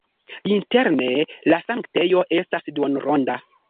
Interne la sanktejo estas duonronda.